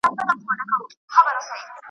وئېل ئې بس يو زۀ اؤ دېوالونه د زندان دي .